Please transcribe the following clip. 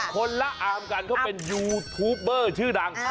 คนละอาร์มกันเขาเป็นยูทูปเบอร์ชื่อดัง